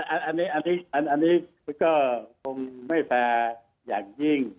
อันนี้ก็คงไม่แฟร์อย่างยิ่ง